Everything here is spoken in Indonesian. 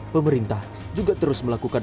pemerintah juga terus melakukan